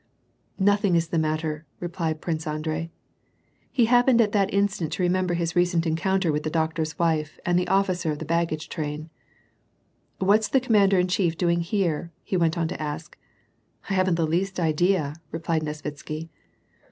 " Nothing is the matter," i*eplied Prince Andrei. He hap I>ened at that instant to re mem lie r his recent encounter with the doctor's wife and the officer of the baggage train. What's the commander in chief doing here ?" he went on to ask. *' I haven't the least idea," replied Nesvitsky.